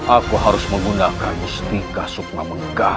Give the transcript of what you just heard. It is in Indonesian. aku harus menggunakan mustika subma menggala